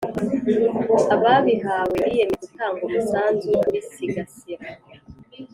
Ababihawe biyemeje gutanga umusanzu wokubisigasira